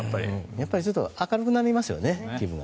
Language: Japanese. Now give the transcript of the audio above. やっぱりちょっと明るくなりますよね、気分が。